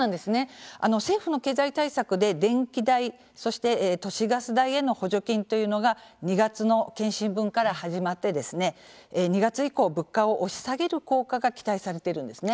政府の経済対策で電気代そして都市ガス代への補助金というのが２月の検針分から始まってですね２月以降物価を押し下げる効果が期待されているんですね。